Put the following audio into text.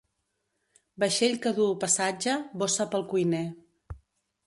Vaixell que duu passatge, bossa pel cuiner.